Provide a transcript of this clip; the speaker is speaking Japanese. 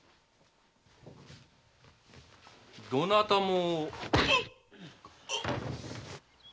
どなたも。